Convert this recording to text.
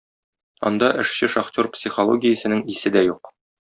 Анда эшче шахтер психологиясенең исе дә юк.